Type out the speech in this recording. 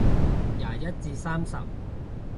廿一至三十